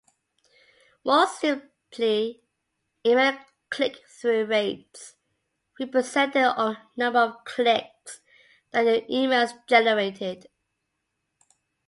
More simply, email click-through rates represent the number of clicks that your email generated.